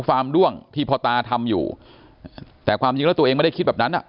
ามด้วงที่พ่อตาทำอยู่แต่ความจริงแล้วตัวเองไม่ได้คิดแบบนั้นอ่ะ